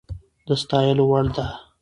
د ستايلو وړ ده